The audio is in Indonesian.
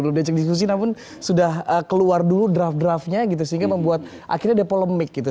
belum diajak diskusi namun sudah keluar dulu draft draftnya gitu sehingga membuat akhirnya ada polemik gitu